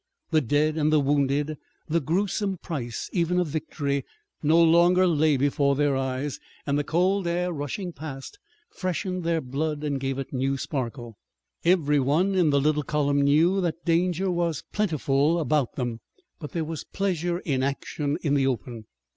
The dead and the wounded, the grewsome price even of victory, no longer lay before their eyes, and the cold air rushing past freshened their blood and gave it a new sparkle. Every one in the little column knew that danger was plentiful about them, but there was pleasure in action in the open.